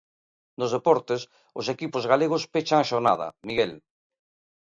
Nos deportes, os equipos galegos pechan a xornada, Miguel.